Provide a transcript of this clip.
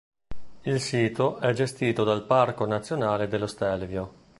Il sito è gestito dal Parco nazionale dello Stelvio.